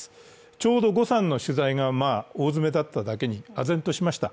ちょうど呉さんの取材が大詰めだっただけにあぜんとしました。